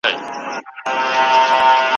اتفاق ورسره نشته ډېر ارمان